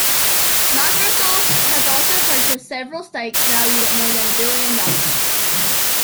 Microsoft has also purchased several stakes valued at more than a billion dollars.